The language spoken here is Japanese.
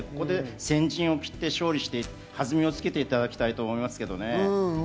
先陣を切って勝利して弾みをつけてほしいと思いますね。